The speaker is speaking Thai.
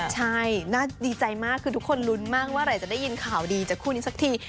ใช่น่าดีใจมากคือทุกคนลุ้นมากเมื่อไหร่จะได้ยินข่าวดีจากคู่นี้สักที